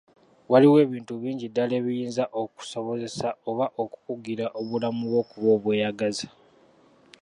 Waliwo ebintu bingi ddala ebiyinza okukusobozesa oba okukugira obulamu bwo okuba obweyagaza.